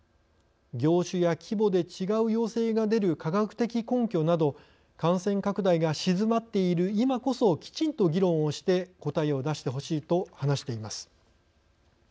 業種や規模で違う要請が出る科学的根拠など感染拡大が静まっている今こそきちんと議論をして答えを出してほしいと話しています。